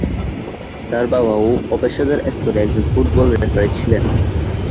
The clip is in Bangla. তার বাবাও অপেশাদার স্তরে একজন ফুটবল রেফারি ছিলেন।